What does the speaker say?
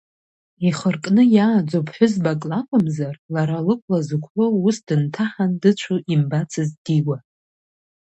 Ихыркны иааӡоу ԥҳәызбак лакәымзар, лара лықәла зықәлоу ус дынҭаҳан дыцәо имбацызт Дигәа.